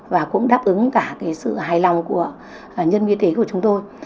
và cũng đáp ứng cả sự hài lòng của nhân viên y tế của chúng tôi